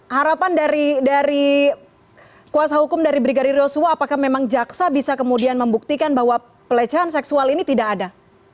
harapan dari kuasa hukum dari brigadir yosua apakah memang jaksa bisa kemudian membuktikan bahwa pelecehan seksual ini tidak ada